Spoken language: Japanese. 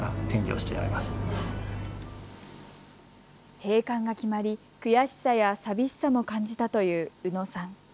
閉館が決まり、悔しさや寂しさも感じたという宇野さん。